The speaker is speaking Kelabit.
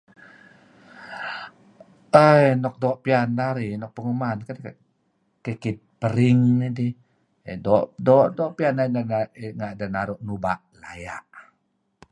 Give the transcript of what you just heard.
Aye nuk pian narih nuk doo' penguman kikid pering nidih do' do' pian narih renga' ideh naru' nuba' laya'.